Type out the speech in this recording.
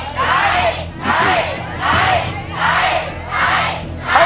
เป็นอินโทรเพลงที่๔มูลค่า๖๐๐๐๐บาท